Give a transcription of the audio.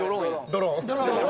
ドローン。